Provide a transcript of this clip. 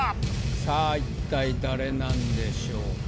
さぁ一体誰なんでしょうか。